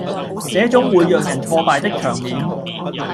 這種會讓人挫敗的場面